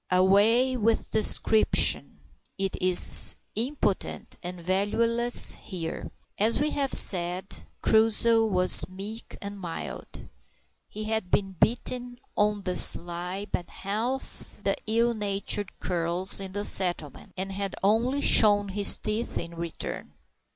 Away with description it is impotent and valueless here! As we have said, Crusoe was meek and mild. He had been bitten, on the sly, by half the ill natured curs in the settlement, and had only shown his teeth in return.